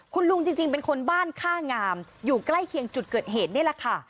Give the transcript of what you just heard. คุณลุงจริงเป็นคนบ้านค่างามอยู่ใกล้เคียงจุดเกิดเหตุนี่แหละค่ะ